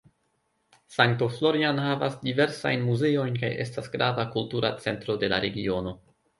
St. Florian havas diversajn muzeojn kaj estas grava kultura centro de la regiono.